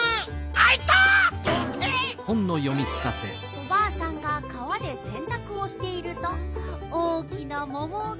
「おばあさんが川でせんたくをしていると大きなももが」。